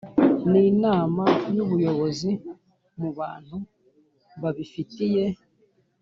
N inama y ubuyobozi mu bantu babifitiye